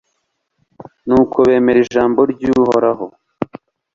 nuko bemera ijambo ry'uhoraho